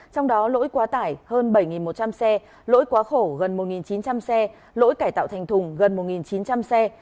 trong đó lỗi quá tải hơn bảy một trăm linh xe lỗi quá khổ gần một chín trăm linh xe lỗi cải tạo thành thùng gần một chín trăm linh xe